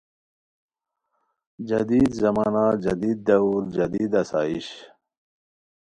جدید زمانہ، جدید دور، جدید آسائش